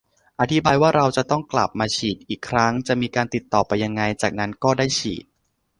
อธิบายว่าเราจะต้องกลับมาฉีดอีกครั้ง จะมีการติดต่อไปยังไง จากนั้นก็ได้ฉีด